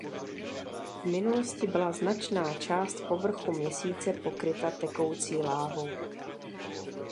V minulosti byla značná část povrchu Měsíce pokryta tekoucí lávou.